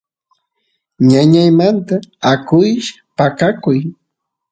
ñañaymanta akush paqakuy